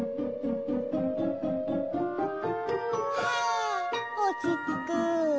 はあおちつく。